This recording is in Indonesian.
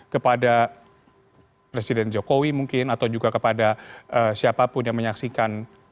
kepada presiden jokowi mungkin atau juga kepada siapapun yang menyaksikan